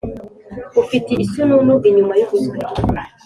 ufite isununu inyuma yugutwi